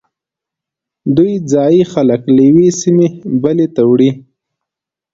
دوی ځایی خلک له یوې سیمې بلې ته وړي